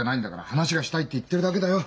「話がしたい」って言ってるだけだよ。